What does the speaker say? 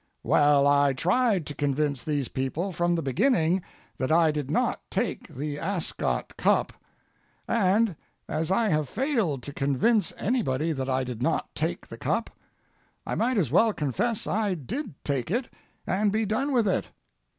Well, I tried to convince these people from the beginning that I did not take the Ascot Cup; and as I have failed to convince anybody that I did not take the cup, I might as well confess I did take it and be done with it.